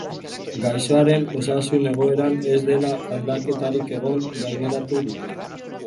Gaixoaren osasun egoeran ez dela aldaketarik egon gaineratu dute.